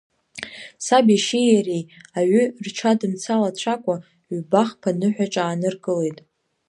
Саб иашьеи иареи аҩы рҽадымцалацәакәа ҩба-хԥа ныҳәаҿа ааныркылеит.